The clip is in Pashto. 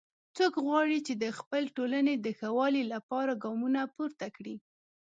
څوک غواړي چې د خپلې ټولنې د ښه والي لپاره ګامونه پورته کړي